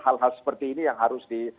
hal hal seperti ini yang harus di